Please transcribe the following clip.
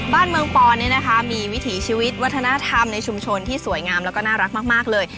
บ้านเมืองปอนมีวิถีชีวิตวัฒนธรรมในชุมชนที่สวยงามแล้วก็น่ารักมากเลย